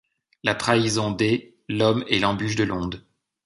La trahison dé l'homme et l'embûche de l'onde ;